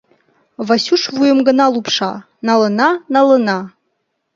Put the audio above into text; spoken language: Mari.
Васюш вуйым гына лупша: налына, налына.